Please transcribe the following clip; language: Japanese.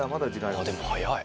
でも早い。